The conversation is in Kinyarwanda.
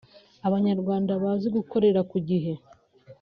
Abanyarwanda bazi gukorera ku gihe